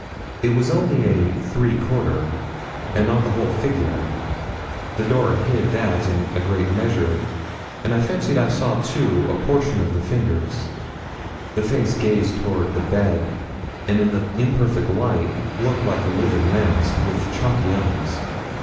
It was only a 'three quarter,' and not the whole figure the door hid that in a great measure, and I fancied I saw, too, a portion of the fingers. The face gazed toward the bed, and in the imperfect light looked like a livid mask, with chalky eyes.